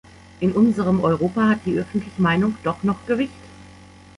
In unserem Europa hat die öffentliche Meinung doch noch Gewicht.